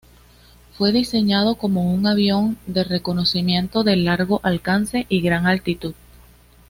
Fue diseñado como un avión de reconocimiento de largo alcance y a gran altitud.